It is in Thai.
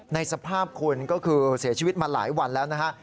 ในสภาพคุณก็คือเสียชีวิตมาหลายวันแล้วนะฮะ